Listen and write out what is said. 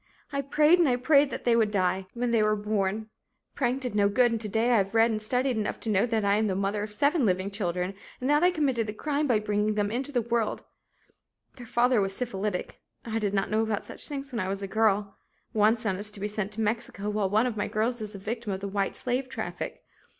I prayed and I prayed that they would die when they were born. Praying did no good and to day I have read and studied enough to know that I am the mother of seven living children and that I committed a crime by bringing them into the world, their father was syphilitic (I did not know about such things when I was a girl). One son is to be sent to Mexico, while one of my girls is a victim of the white slave traffic.